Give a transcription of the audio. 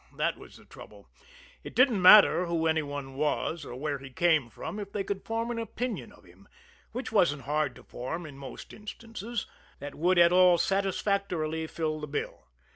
That was the trouble. It didn't matter who any one was, or where he came from, if they could form an opinion of him which wasn't hard to form in most instances that would at all satisfactorily fill the bill.